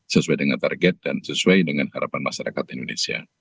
sesuai dengan target dan sesuai dengan harapan masyarakat indonesia